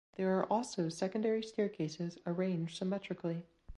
There are also secondary staircases arranged symmetrically.